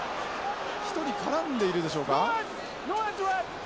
１人絡んでいるでしょうか。